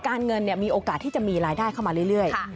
เงินมีโอกาสที่จะมีรายได้เข้ามาเรื่อย